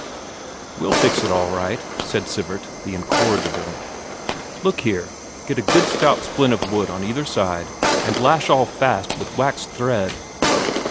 "We'll fix it all right," said Sivert, the incorrigible. "Look here, get a good stout splint of wood on either side, and lash all fast with waxed thread...."